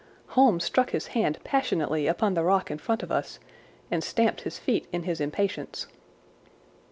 Holmes struck his hand passionately upon the rock in front of us and stamped his feet in his impatience.